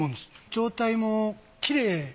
状態もきれい。